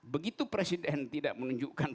begitu presiden tidak menunjukkan